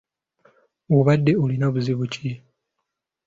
Obadde olina buzibu ki?